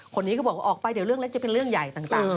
คนนี้ก็บอกว่าออกไปเดี๋ยวเรื่องเล็กจะเป็นเรื่องใหญ่ต่าง